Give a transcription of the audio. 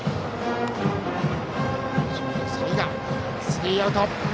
スリーアウト。